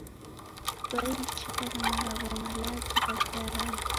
Kiswahili cheka na malagho malazi gha Kiarabu